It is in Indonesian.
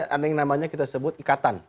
ada yang namanya kita sebut ikatan